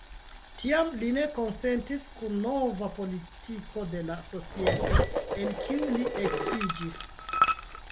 Tiam, li ne konsentis kun nova politiko de la Societo, el kiu li eksiĝis.